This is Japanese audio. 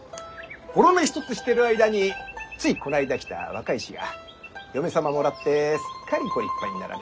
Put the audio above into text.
ゴロ寝一つしてる間についこの間来た若い衆が嫁様もらってすっかりご立派になられてね。